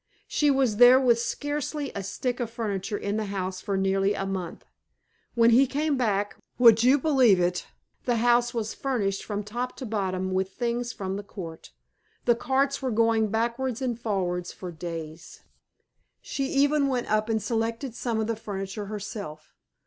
She was there with scarcely a stick of furniture in the house for nearly a month. When he came back, would you believe it, the house was furnished from top to bottom with things from the Court. The carts were going backwards and forwards for days. She even went up and selected some of the furniture herself.